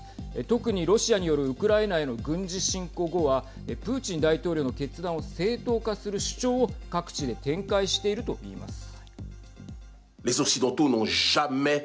特にロシアによるウクライナへの軍事侵攻後はプーチン大統領の決断を正当化する主張を各地で展開しているといいます。